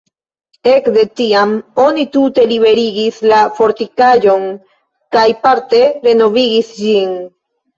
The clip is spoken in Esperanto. Ekde tiam oni tute liberigis la fortikaĵon kaj parte renovigis ĝin.